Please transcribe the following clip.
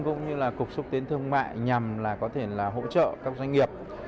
cũng như là cục xúc tiến thương mại nhằm là có thể là hỗ trợ các doanh nghiệp